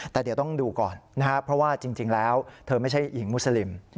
แต่เดี๋ยวต้องดูก่อนนะครับเพราะว่าจริงแล้วเธอไม่ใช่หญิงมุสลิม